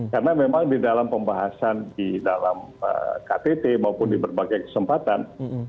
karena memang di dalam pembahasan di dalam ktt maupun di berbagai kesempatan